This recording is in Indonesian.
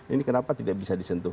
ini kenapa tidak bisa disentuh